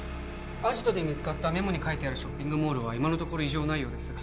アジトで見つかったメモに書いてあるショッピングモールは今のところ異常ないようです